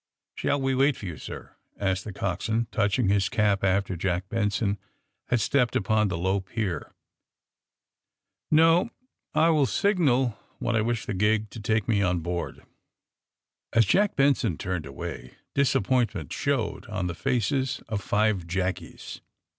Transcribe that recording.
^^ Shall we wait for you, sir?" asked the cox swain, touching his cap after Jack Benson had stepped upon the low pier. ^^ No ; I will signal when I wish the gig to take me on board." As Jack Benson turned away disappointment showed on the faces of five jackies.